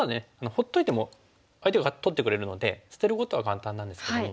ほっといても相手が取ってくれるので捨てることは簡単なんですけども。